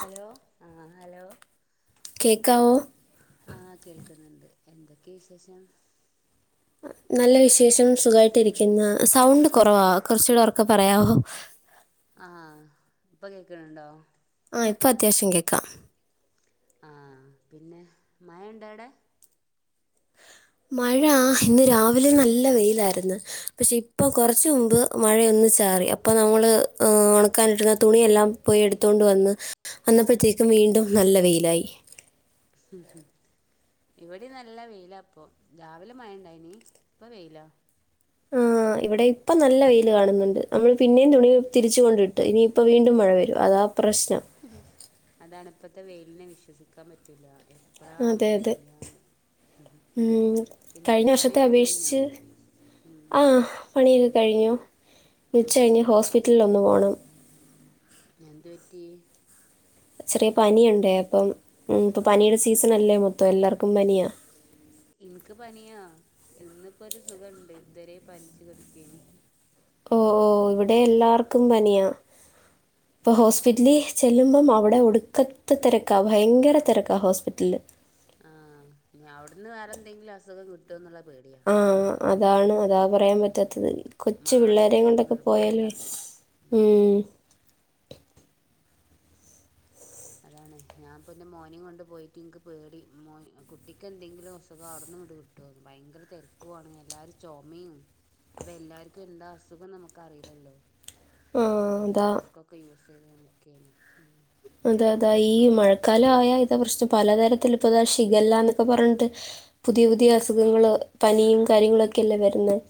Hello ആഹ് hello കേക്കാവോ ആ കേൾക്കുന്നുണ്ട് എന്തൊക്കെയ വിശേഷം നല്ല വിശേഷം സുഖയിട്ട് ഇരിക്കുന്ന സൗണ്ട് കൊ റവാ കുറച്ചൂടെ ഉർക്കെ പറയാവോ ആഹ് ഇപ്പൊ കേക്കണണ്ടോ ആ ഇപ്പൊ അത്യാവശ്യം കേൾക്കാം ആഹ പിന്നെ മയ ഉണ്ട അവിടെ മഴ ഇന്ന് രാവിലെ നല്ല വെയിലായിരുന്നു പക്ഷെ ഇപ്പ കുറച്ച മുമ്പ് മഴയൊന്ന ചാറി അപ്പൾ നമ്മള് ഉണക്കാനിട്ടുന്ന തുണിയെല്ലാം പോയി എടുത്തൊണ്ട് വന്ന് അന്നപ്പോഴത്തേക്കും വീണ്ടും നല്ല വെയിലായി ഇവിടെ നല്ല വെയില അപ്പൊ രാവിലെ മയണ്ടായിനി ഇപ്പ വെയില ആ ഇവിടെ ഇപ്പ നല്ല വെയില് കാണുന്നുണ്ട് നമ്മള് പിന്നേ തുണി തിരിച്ച കൊണ്ടണ്ട് വിട്ട് ഇനിയിപ്പ വീണ്ടും മഴ വരും അതാ പ്രശ്നം അതാണ് ഇപ്പഴത്തെ വെയിലിനെ വിശ്വസിക്കാൻ പറ്റൂല്ല അതെ അതെ ഉം പിന്നെ കഴിഞ്ഞ വർഷത്തെ പണിയൊക്കെ കഴിഞ്ഞോ അപേക്ഷിച്ച് ഉം ആ പണിയെടുക്ക കഴിഞ്ഞു നിച്ച കഴിഞ്ഞ് ആഹ് ഹോസ്പിറ്റലിൽ ഒന്ന് പോണം എന്തു പറ്റി ചെറിയ പനിയുണ്ടേ അപ്പം ഇപ്പ പനിയുടെ സീസൺ അല്ലേ മൊത്തം എല്ലാർക്കും പനിയാ ഇൻക്ക് പനിയാ ഇന്ന്പ്പൊ ഒരു സുഖണ്ട് ഇതുവരെ പനിച്ചു കിടക്കയ്നിം. ഓ ഓ ഇവിടെ എല്ലാർക്കും പനിയാ ഇപ്പൊ ഹോസ്പിറ്റലി ചെല്ലുമ്പം അവിടെ ഒടു ക്കത്ത തെരക്കാ ഭയങ്കര തിരക്കാ ഹോസ്പിറ്റല് ആ ഇനി അവിടുന്ന് വേറെന്തെങ്കിലും അസുഖം കിട്ടൂന്നുള്ള പേടിയാ ആ അതാണ് അതാ പറയാൻ ഉം പറ്റാത്തത് കൊച്ചു പിള്ളേരെയും മാസ്ക് കൊണ്ടൊക്കെ പോയാലേ നിർബന്ധാ ഉം അതാണ് ഞാൻപ്പൊ എന്റെ മോനും കൊണ്ട് പോയിട്ട് ഇനിക്ക് പേടി മോ കുട്ടിക്ക് എന്തെങ്കിലും അസുഖ അവിടുന്ന് കിട്ടുവോ ഭയങ്കര തിരക്കുണ് എല്ലാരും ചുമയും അപ്പൊ എല്ലാർക്കും എന്താ അസുഖം നമുക്ക് അറിയില്ലല്ലോ ആ അത [inaudible] അതെ അതാ ഈ മഴക്കാലം ആയാ ഇത പ്രശച്ച് പലതരത്തി ഇപ്പ ഇതാ ശിഖല്ലന്നൊക്കെ പറഞ്ഞിട്ട് പുതിയ പുതിയ അസുഖങ്ങള പനിയും കാര്യങ്ങളും ഒക്കെല്ലേ വരുന്നത്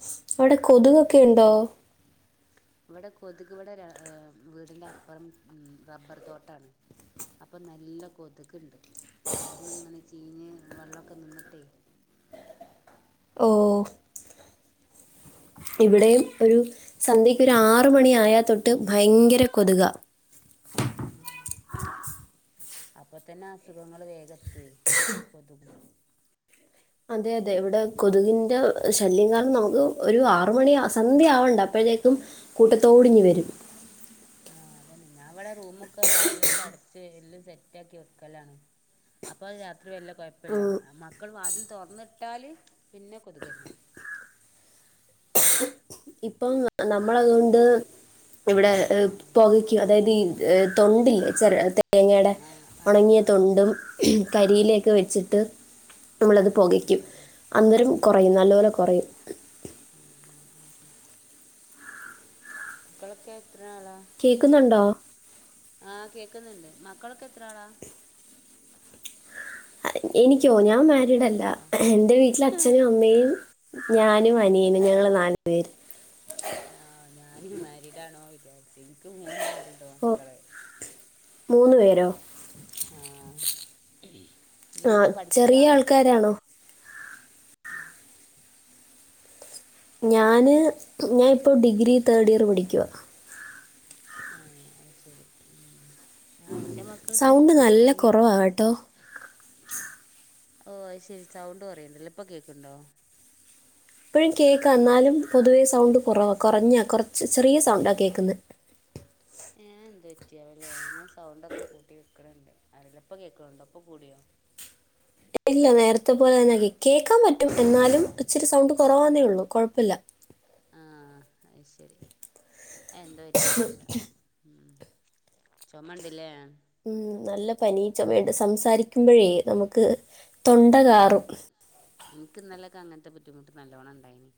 അവിടെ കൊതുകൊക്കെ ഇണ്ടോ ഇവിടെ കൊതുക് ഇവിടെ വീടിന്റെ അപ്പുറം റബ്ബർ തോട്ടാണ് അപ്പൊ നല്ല കൊതുക്ണ്ട് അവിടന്ന് ഇങ്ങനെ ചീഞ്ഞ് വെള്ളക്കെ നിന്നിട്ടെ ഓ ഇവിടേം ഒരു അപ്- സന്ധ്യ ഒരു ആറുമണി ആയ തൊട്ട് ഭയങ്കര കൊതുക അപ്പൊ തന്നെ അസുഖങ്ങൾ വേഗത്തി വരും ഈ കൊതു അതെ അതെ ഇവിടെ കൊതുകിൻ്റെ ശല്യം കാരണം നമുക്ക് ഒരു ആറുമണി സന്ധ്യ ആവണ്ട അപ്പോഴത്തേക്കും കൂട്ടത്തോടിങ്ങ് വരും ആ എാം സെറ്റ ആക്കി വെക്കലാണ് അപ്പൊ ത്രി വല്ല്യ കോയപ്പില്ല ആ, മക്കളും വാതിൽ തുറന്നിട്ടാല് പിന്നെ കൊതുകന്നെ ഇപ്പം നമ്മളതൊണ്ട് ഇവിടെ ഉം പൊകയ്ക്കും അതായത് തൊണ്ടില്ലേ ചെരട്ട തേങ്ങടെ ആ ആ ഉണങ്ങിയ ആ തൊണ്ടും കരിയിലേക്കെ വെച്ചിട്ട് നമ്മളത് ഉം പൊകയ്ക്കും ഉം. അന്നേരം കൊ റയും നല്ലപോലെ കൊറയും മക്കളൊക്കെ കേക്കുന്നുണ്ടോ ആ കേക്കുന്നുണ്ട് മക്കളൊക്കെ എത്ര ആളാ എനിക്കോ ഞാൻ മാ രീടല്ല ആഹ് എന്റെ വീട്ടിൽ അച്ഛനും അമ്മയും ഞാനും അനിയനും ഞങ്ങള് നാല് പേര് ഓ ഞാന് മാരീഡ് ആണോ വി ചാരിച്ചു എനിക്ക് മൂന്നാളുണ്ട് ഓ മക്കളേ മൂന്ന് പേരോ ഇനി ആ എന്താ ചെറിയ ആൾക്കാരാണോ ഉം ഞാന് ഞാൻ ഇപ്പോൾ ഡിഗ്രി തേർഡ് ഇയർ പഠിക്കുവാ ഏ അത് ശരി ഉം ആഹ് ഇന്റെ മക്കള് സൗണ്ട് ചെറുത് നല്ല വല് കുറവാ കേട്ടോ ഓ അത് ശരി സൗണ്ട് കുറയണുണ്ടല്ലേ ഇപ്പൊ കേക്കണുണ്ടോ ഇപ്പഴും കേക്കാം എന്നാലും പൊതുവേ സൗണ്ട് കുറവാ കുറഞ്ഞാ കുറച്ച് ചെറിയ സൗണ്ടാ കേക്കുന്നേ അത് എന്ത് പറ്റിയതാവൂല്ലേ ഞാൻ സൗണ്ടൊക്കെ കൂട്ടി വെക്കണണ്ട് അറീല്ല ഇപ്പ കേക്കണുണ്ടൊ ഇപ്പോ കൂടിയോ ഇല്ല നേരത്തെ പോലെ തന്നെ കേൾക്കാൻ പറ്റും എന്നാലും ഇച്ചിരി സൗണ്ട് കുറവാന്നേ ഉള്ളൂ കുഴപ്പവില്ല ആ അത് ശരി എന്തോറ്റി അറിയില്ല ഉം ചൊമയുണ്ട് അല്ലിയോ ഉം നല്ല പനി ചോമേ ഒണ്ട് സംസാരിക്കുമ്പോഴേ നമുക്ക്- തൊണ്ടകാറും എനിക്ക് ഇന്നലെയൊക്ക അങ്ങനത്തെ ബുദ്ധിമുട്ട് നല്ലോണ്ണം ഉണ്ടായിന്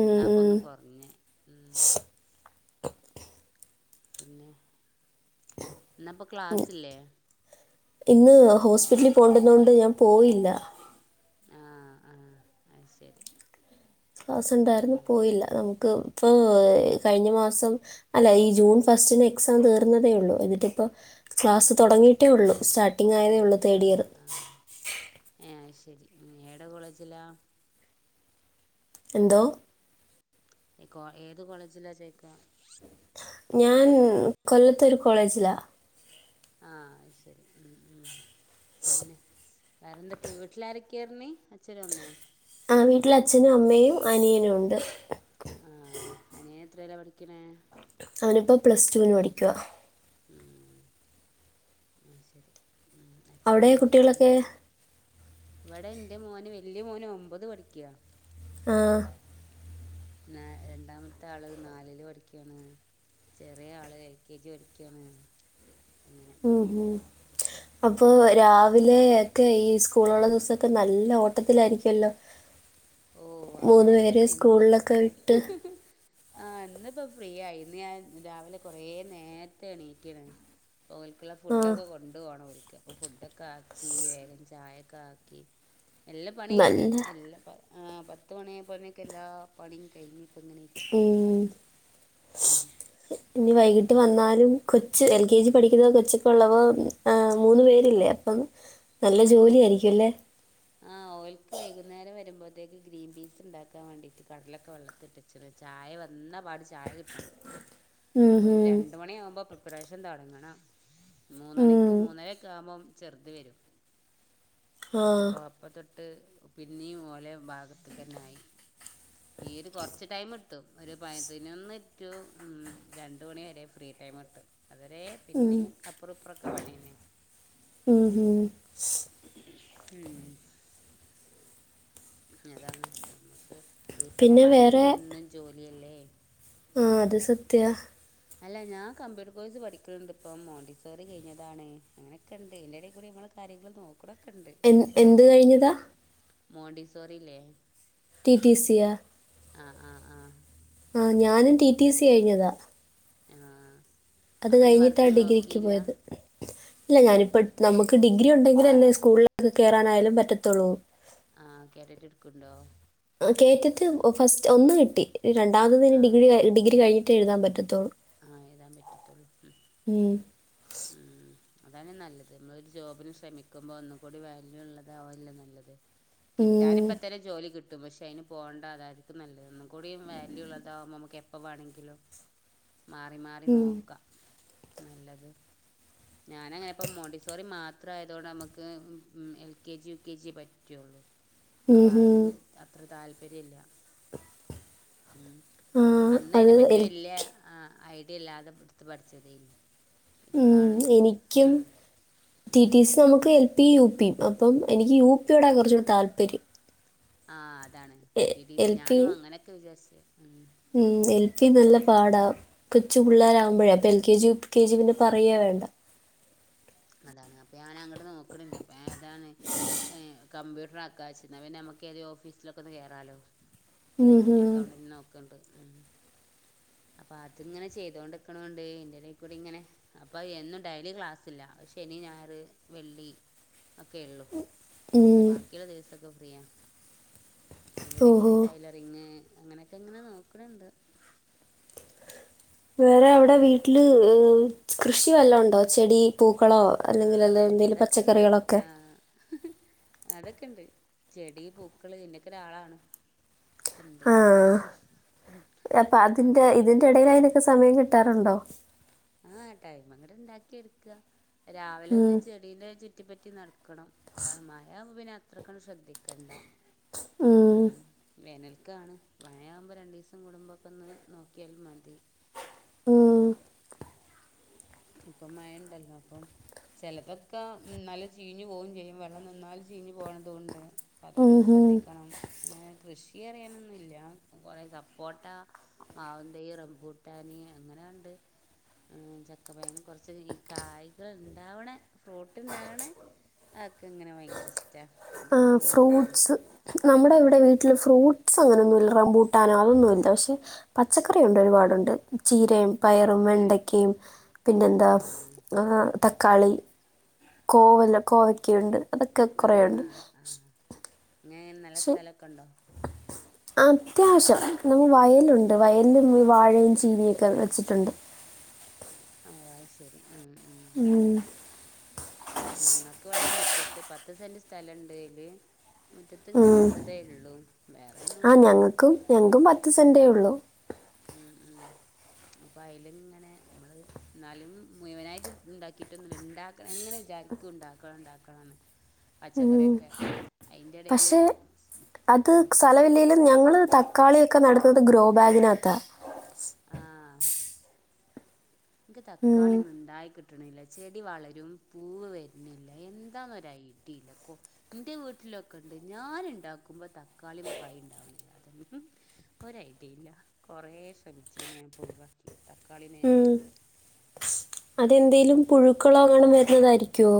ഉം, ഇപ്പൊ ഉം. ഒന്ന് കോറഞ്ഞെ ഉം [inaudible] പിന്നെ ഇന്ന് ഇപ്പൊ ക്ലാസ്ല് ഇല്ലേ ഇന്ന് ഹോസ്പിറ്റലിൽ പോണ്ടുന്നോണ്ട് ഞാൻ പോയില്ല ആഹ് ആഹ് അത് ശരി ക്ലാസ്സ്‌ ഇണ്ടാരുന്നു ഉം പോയില്ല നമുക്ക്പ്പ് കഴിഞ്ഞ മാ സം അല്ല ഈ ജൂൺ ഫസ്റ്റിന് എക്സാം തീർന്നതേ ഉള്ളൂ എന്നിട്ടിപ്പ ക്ലാസ് ഉം തുടങ്ങിട്ടേ ഉള്ളു സ്റ്റാർട്ടിംങ്ങ് ആയതേ ആഹ് ഉള്ളൂ തേർഡ് ആഹ് ഇയർ ആഹ് ഏഹ് അത് ശരി ഏടെ കോളേജിലാ എന്തോ ഈ കോ ഏത് കോളേജിലാ ചേക്ക ഞാൻ കൊല്ലത്ത് ഒരു കോളേജിലാ ആഹ് അയ്ശരി ഉം ഉം പിന്നെ വേറെന്തൊക്കെ വീട്ടിലാര ക്കെർണി അച്ഛനും അമ്മയും ആ വീട്ടില് അച്ഛനും അമ്മയും അനിയനും ഉണ്ട് ആഹ് അനിയ എത്രല്ല പഠിക്കണേ അവനിപ്പോ പ്ലസ്ടുന് പഠിക്കുവ ഉം ആഹ് ശരി ഉം അവിടെ അച്ഛനെന്താ വർക്ക് കുട്ടികളൊക്കെ ചെയ്യണേ ഇവിടെ എന്റെ മോന് വല്യ മോന് ഒമ്പത് പഠിക്യാ ആഹ് ന്നെ രണ്ടാമത്തെ ആള് നാലില് പഠിക്കണ് ചെറിയ ആള് എൽ കെ ജി പഠിക്കണ് മ്മ് ഹും അപ്പൊ ഉം രാവിലേ ഒക്കെ ഈ സ്കൂളൊള്ള ദിവസൊക്കെ നല്ല ഓട്ടത്തിലായിരിക്കുവല്ലോ ഓ മൂന്നു അങ്ങനെ പേരെ തന്നെ ഇന്ന് സ്കൂളിലൊക്കെ വിട്ട് ഇപ്പൊ ഫ്രീയായി ഇന്ന് ഞാൻ രാവിലെ കൊറേ നേരത്തെ എണീറ്റയണ് ഓൽക്കുള്ള ആ ഫുഡ് ഒക്കെ കൊണ്ടു പോണം ഓര് ക്ക് അപ്പൊ ഫുഡൊക്കെ ആക്കി വേഗം ചായൊക്കെ ആക്കി എല്ലാ പണി കഴിഞ്ഞ് നല്ല എല്ലാം പ ആ പത് ത്ത് മണിയായപ്പോനേക്ക് എല്ലാ പണിയും കഴിഞ്ഞ് ഇങ്ങനെയിരിക്കാ ഉം. ഇനി വൈകിട്ട് വന്നാലും കൊച്ച് എൽ കെ ജി ആഹ് പഠിക്കുന്ന കൊച്ച് ഉള്ളവ് ഏ മൂന്നു പേരില്ലേ അപ്പം നല്ല ജോലി ആയിരിക്കും എല്ലേ ആ ഓയിൽക്ക് വൈകുന്നേരം വരുമ്പോഴത്തേക്ക് ഗ്രീൻ പീസ് ഉണ്ടാക്കാൻ വേണ്ടിട്ട് കടലൊക്കെ വെള്ളത്തിയിട്ട് വെച്ചണ് ചായ വന്ന പാട് ചായ കിട്ടണം ഉം, അപ്പൊ ഒരു ഉം, രണ്ട് മണിയാവുമ്പോ പ് ഇപ്രാവശ്യം തൊടങ്ങണം മൂന്ന് മണിക്ക് ഉം. മൂന്നരയൊക്കെ ആവുമ്പം ചെറുത് വരും ആ അപ്പോ അപ്പത്തൊ ട്ട് പിന്നീ ഓലെ ഭാഗത്തക്കന ആയി ഈ ഒരു കുറച്ച് ടൈം ഇത്തും ഒരു പതിനൊന്ന് റ്റു ഉം രണ്ട് മണി വരെ ഫ്രീ ടൈമ് കിട്ടും അതുവരേ പിന്നെ അപ്പുറുപ്പുറൊക്കെ പണിയന്നെ ഉം ഉം. ഉം അതാണ് നമ്മുക്ക് പിന്നെ വീട്ടമ്മമാർക്ക് വേറെ പിന്നെ എന്നും ജോലി യല്ലേ ആ അത് സത്യാ അല്ല ഞാൻ കമ്പ്യൂട്ടർ കോഴ്സ് പഠിക്കണണ്ട് ഇപ്പം മോണ്ടിസോറി കഴിഞ്ഞതാണ് അങ്ങനെയൊക്കെണ്ട് ഇതിന്റെ ഇടേ കൂടി നമ്മള് കാര്യങ്ങള് നോ എൻ എന്ത് കഴിഞ്ഞതാ മോഡിസ് സോറില്ലേ ടി ടി സി യാ ആ ആ ആ ആ ഞാനും ടി ടി സി കഴിഞ്ഞതാ ആആ അത് കഴിഞ്ഞിട്ടാ ഡിഗ്രിക്ക് പോയത് ഇല്ല ഞാനിപ്പെട് നമുക്ക് ഡിഗ്രി ഉണ്ടെങ്കിൽ അല്ലേ സ്കൂളിലൊക്കെ കയറാനായാലും പറ്റത്തോള്ളൂ ആ കേറിറ്റ് ഇടുക്കണ്ടോ കേറ്റിട്ട് ഫസ്റ്റ് ഒന്ന് കിട്ടി രണ്ടാമത്ന്നെ ആ ഡിഗ്രി ഡിഗി കഴി റ്റ എഴുതാൻ പറ്റത്തുള്ളൂ ഏതാ പറ്റത്തുള്ളൂ ഉം. ഉം. ഉം. അതാണ് നല്ലത് നമ്മളൊ ഒരു ജോബിന് ശ്രമിക്കുമ്പോൾ ഒന്നും കൂടി വാല്യൂ ഉള്ളതാാവല്ലോ നല്ലത് ഉം. കിട്ടാനിപ്പ അത്തരം ജോലി കി പക്ഷെ അതിന് പോകേണ്ട അതായിരിക്കും നല്ലത് ഒന്നും കൂടി വാല്യൂ ഉള്ളതാക നമുക്ക് എപ്പോ വേണമെങ്കിലും മാ മറിമാറി ഉം. നോക്കാം നല്ലത് ഞാനങ്ങനെ ഇപ്പ മോണ്ടിസോറി മാത്രംയതുകൊണ്ട് നമുക്ക് L K G U K ജിയ പറ്റുള്ളു. ഉം. അപ്പൊ ഉം. അഹ് അത്ര താല് വരില്ല. ഉ ആ അന്ന് അതിനെ അത് പറ്റി എൽ- വലിയ ആ ഐഡിയ ഇല്ലാതെ എടുത്ത് പഠിച്ചത് എനി ഉം എനിക്കും ടി ഉം. ടിസ് നമുക്ക് പി യു പിയും അപ്പം എനിക്ക് യുപിയോടെ കുറച്ച താല്പര്യം ആ അതാണ് ടി ടി സി ഞാനും അങ്ങനെയൊക്കെ വിചാരിച്ച് ഉം ഉം എൽ പി നല്ല പാടാ കൊചുള്ളരാവകുമ്പഴേ അപ്പോൾ L K G U K K G പിന്നെ പറയ വേണ്ട അതാണ് അപ്പൊ ഞാൻ അങ്ങോട്ട് നോക്കണില്ലേ അപ്പൊ അതാണ് ഏ കമ്പ്യൂട്ടർ ആക്കാ വച്ചിരുന്ന പിന്നെ നമ്മുക്ക് ഏത് ഓഫീസിലൊക്കെ ഒന്ന് കേയറാലോ ഉം ഹും. അക്കൗണ്ടിന് നോക്കണ്ട് അപ്പൊ അതിങ്ങനെ ചെയ്തോണ്ടിക്കണോണ്ട് എന്റെറെടൽക്കൂടി ഇങ്ങനെ അപ്പൊ എന്നും ഡൈലി ക്ലാസ്സില്ല പക്ഷ ശനി ഞാറ് വെള്ളി ഒക്കെ ഉള്ളൂ അപ്പൊ ഉം. ബാക്കിയുള്ള ദിവസ ഇപ്പം ഫ്രീയ ഓഹോ അതിന്റെടെകുട്ടി ടൈലറിങ് അങ്ങനെയൊക്കെ എങ്ങനെ നോക്കണണ്ട് വേറെ അവിടെ വീട്ടില് കൃഷി വല്ല ഉണ്ടോ ചെടി പൂ ക്കളോ ആ അല്ലെങ്കിൽ എന്തെങ്കിലും പച്ചക്കറികളൊക്കെ അതൊക്കെുണ്ട് ചെടി പൂക്കള് ഇന്നൊക്കെ ഒരാളാണ് ഒക്ക ഉണ്ട് ആ അപ്പം അപ്പം ഉണ്ടോ ആ ടൈമങ്ങെട്ട് ഇണ്ടാക്കിയെ എടുക്ക രാവിലെ ഒന്ന് ഉം. ചെടിന്റെ ചുറ്റിപ്പറ്റി നടക്കണം അതാണ് മഴ ആകുബോ ആ ത്രക്കണ്ട് ശ്രദ്ധിക്കണ്ട ഉം വേനൽ ക്കാണ് മഴയാവുമ്പോ രണ്ടു ദിവസം കുടുമ്പോക്കൊ ഒന്ന് നോക്കിയാലും മതി ഉം ഇപ്പൊ മഴ ഉണ്ടല്ലോ അപ്പം ചിലതൊക്കെ നല്ല ചീഞ്ഞു പോവും ചെയ്യും വെള്ളം നിന്നാലും ചീഞ്ഞു പോണത് ഉണ്ട് ഉം അതൊക്കെ ഹും. ശ്രദ്ധിക്കണം പിന്നെ കൃഷി ക്കി അറിയാനൊന്നുമില്ല കുറെ സപ്പോട്ട മാവുന്തയ് റംബൂട്ടാനി അങ്ങനെ ഇണ്ട് ചക്ക ചക്ക [unintelligible] കുറച്ച് ഈ കായ്കൾ ഉണ്ടാവണ ഫ്രൂട്ട് ഉണ്ടാവണേ അതൊക്കെ ഇങ്ങനെ ഭയങ്കര ഇഷ്ട ആ ഫ്രൂട്ട്സ് നമ്മുടെ ആഹ് ഇവിടെ വീട്ടിൽ ഫ്രൂ ട്ട്സ് അങ്ങനൊന്നും ഇല്ല റമ്പൂട്ടാനോ അതൊന്നും ഇല്ല പക്ഷെ പച്ചക്കറി ഉണ്ട് ഒരുപാടുണ്ട് ചീരയും ഏഹ് പയറും വെണ്ടക്കയും പിന്നെന്താ ഫ് ആഹ് ആ തക്കാളി കോവലം കോവക്കയുണ്ട് അതൊക്കെ കൊറെയുണ്ട് അങ്ങനെ നല്ല സ്ഥലക്കൊണ്ടോ അത്യാശ്യം നമ്മ വയലുണ്ട് വയലിൽ ഈ വാഴയും ചീനിയും ഒക്കെ വെച്ചിട്ടുണ്ട് ഓ അത് ശരി ആം ഉം ഞങ്ങൾക്ക് ഇവിടെ ഈ മുറ്റത്ത് പത്ത് സെന്റ് സ്ഥലുണ്ട് അയില് മുറ്റത്ത് ഇങ്ങനെ ഉം ഉള്ളതേ ഉള്ളൂ ആ വേറെയൊന്നുല്ല ഞങ്ങക്കും ഞങ്ങക്കും പത്ത് ഉം സെന്റേ ഉള്ളു ഉം ഉം അപ്പൊ അയില് ഇങ്ങനെ നമ്മള് എന്നാലും മുഴുവനായിട്ട് ഇണ്ടാക്കിട്ടൊന്നുല്ല ഇണ്ടാക്കണം എങ്ങനെ വിചാരിക്കും ഉണ്ടാക്കണം ഉണ്ടാക്കണംന്ന് ഉം. പച്ചക്കറിയൊക്കെ അയിന്റെടയില് പക്ഷേ അത് സ്ഥലമില്ലെങ്കിലും ഞങ്ങൾ തക്കാളിയൊക്കെ നടുന്നത് ഗ്രോ ബാഗിനകത്താ എക്ക് തക്കാളി ഉം. ങ്ങനെ ഉണ്ടായി കിട് കിട്ടണില്ല ചെടി വളരും പൂവ് വരുന്നില്ല എന്താന്നൊ ഐഡിയില്ല കോ എൻ്റെ വീട്ടിലൊക്കെ ഉണ്ട് ഞാന് ഉണ്ടാക്കുമ്പോൾ തക്കാളീമ ക്കായ ഉണ്ടാവണില്ല അതൊന്നും ഒരു ഐഡിയില്ല കുറേ ശ്രമിച്ചു പിന്നെ ഞാൻ ഒയിവാക്കി തക്കാളിനെ ഞാൻ ഉം. ഒയിവാക്കി അതെന്തേലും പുഴുക്കളോങ്ങാണം വരുന്നതായിരിക്കോ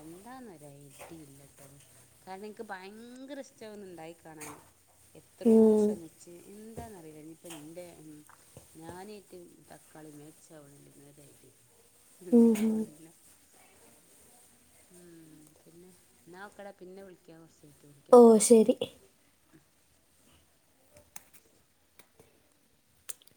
എന്താന്നരു ഐഡയില്ല ട്ടോ കാരണം എനിക്ക് ഭയങ്കര ഇഷ്ടാ ഒന്ന് ഇണ്ടായി കാണാന്. എത്രയോ ഉം. ശ്രമിച്ച് എന്താന്നറിയില്ല ഇനിയിപ്പ ഇന്റെ ഉം ഞാനായിട്ട് തക്കാളി മാച്ചാവണിലേ ഒന്ന് ഒരൈഡിയില്ലാ ഉം. ഉം. ഉണ്ടാവണില്ല ഉം പിന്നെ എന്നാ വെക്കടാ പിന്നെ വിളിക്കാ കൊറ്ച കഴിഞ്ഞിട്ട് ഓ വിളിക്കാട്ടോ ശരി. ആഹ് ശെരി ഉം